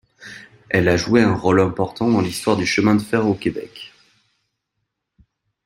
Elle a joué un rôle important dans l'histoire du chemin de fer au Québec.